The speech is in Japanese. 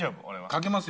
かけますよ。